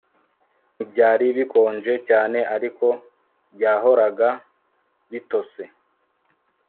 Ntibyari bikonje cyane ariko byahoraga bitose